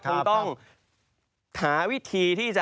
คงต้องหาวิธีที่จะ